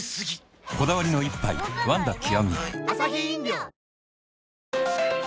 こだわりの一杯「ワンダ極」